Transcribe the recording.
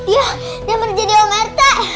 ya dia menjadi om rt